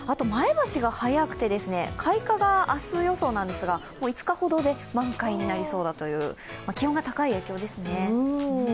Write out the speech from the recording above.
前橋が早くて、開花が明日予想なんですが、もう５日ほどで満開になりそうだという気温が高い影響ですね。